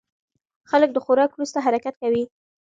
خلک د خوراک وروسته حرکت کوي.